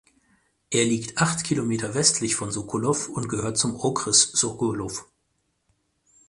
Er liegt acht Kilometer westlich von Sokolov und gehört zum Okres Sokolov.